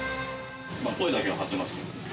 声だけは張ってます。